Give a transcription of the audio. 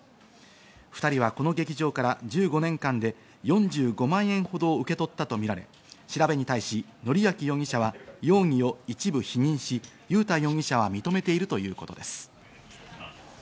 ２人はこの劇場から１５年間で４５万円ほどを受け取ったとみられ、調べに対し典明容疑者は容疑を一部否認し、雄太容疑者は認めているということです。